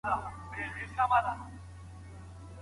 اوس انځورګرپوهیږي